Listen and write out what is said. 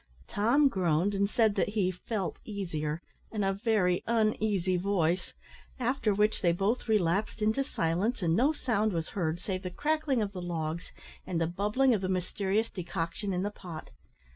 Tom groaned, and said that he "felt easier," in a very uneasy voice, after which they both relapsed into silence, and no sound was heard save the crackling of the logs and the bubbling of the mysterious decoction in the pot.